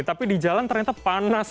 tapi di jalan ternyata panas